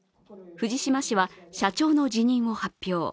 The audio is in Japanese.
藤島氏は社長の辞任を発表。